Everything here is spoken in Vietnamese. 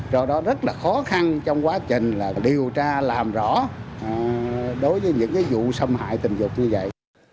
do đó rất là khó khăn trong quá trình điều tra làm rõ đối với những vụ xâm hại tình dục như vậy